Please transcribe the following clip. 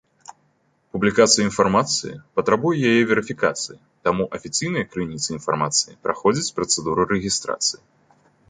Публікацыя інфармацыі патрабуе яе верыфікацыі, таму афіцыйныя крыніцы інфармацыі праходзяць працэдуру рэгістрацыі.